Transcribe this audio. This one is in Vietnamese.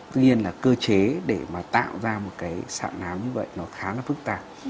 tuy nhiên là cơ chế để mà tạo ra một cái sạn nám như vậy nó khá là phức tạp